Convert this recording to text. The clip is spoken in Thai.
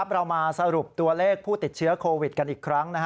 เรามาสรุปตัวเลขผู้ติดเชื้อโควิดกันอีกครั้ง